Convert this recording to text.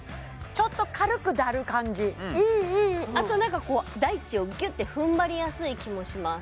ちょっと軽くだる感じうんうんあと何かこう大地をギュッて踏ん張りやすい気もします